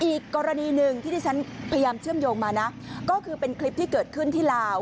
อีกกรณีหนึ่งที่ที่ฉันพยายามเชื่อมโยงมานะก็คือเป็นคลิปที่เกิดขึ้นที่ลาว